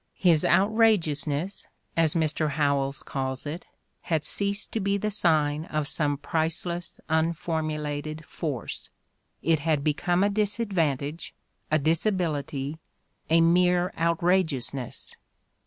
His " outrageousness, " as Mr. Howells calls it, had ceased to be the sign of some priceless, unformu lated force ; it had become a disadvantage, a disability, a mere outrageousness!